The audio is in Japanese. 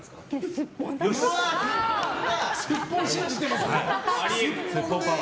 スッポン信じてます。